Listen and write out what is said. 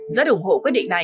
rất ủng hộ quyết định này